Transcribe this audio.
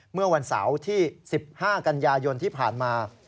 เมื่อวันเสาร์ที่๑๕กันยายนที่ผ่านมา